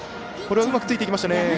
これはうまくついていきましたね。